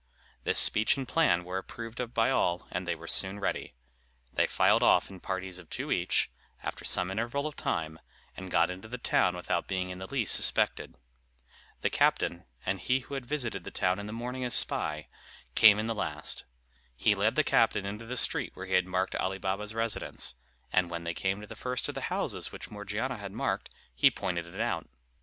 This speech and plan were approved of by all, and they were soon ready. They filed off in parties of two each, after some interval of time, and got into the town without being in the least suspected. The captain, and he who had visited the town in the morning as spy, came in the last. He led the captain into the street where he had marked Ali Baba's residence; and when they came to the first of the houses which Morgiana had marked, he pointed it out.